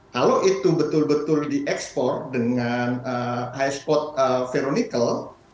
kalau itu betul betul diekspor dengan hs code ferro nikel